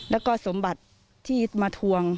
แล้วก็สมบัติที่มาทวง